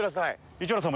市原さん